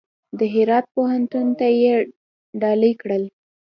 د هرات پوهنتون ته یې ډالۍ کړل.